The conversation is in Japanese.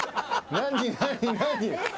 何？